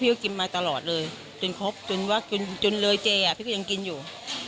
พี่ก็กินมาตลอดเลยจนครบจนว่าจนเลยเจอ่ะพี่ก็ยังกินอยู่